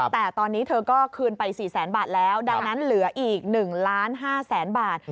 แต่ตอนนี้เธอก็คืนไป๔๐๐๐๐๐บาทแล้วดังนั้นเหลืออีก๑๕๐๐๐๐๐บาท